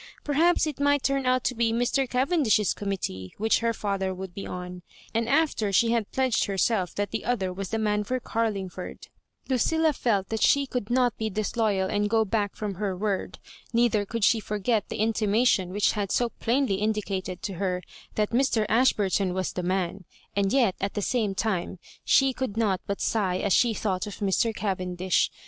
Perhaps it might turn out to be Mr. Cavendish's committee which her father would be on ; and after she had pledged herself that the other was the man for Carlingford 1 La cilia felt that she could not be disloyal and go back from her word, neither could she forget the intimation which had so plainly indicated to her that Mr. Ashburton was the man ; and yet, at the same time, she could not but sigh as she thought of Mr. Cavendish.